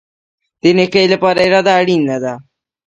د نیکۍ لپاره اراده اړین ده